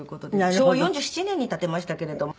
昭和４７年に建てましたけれども。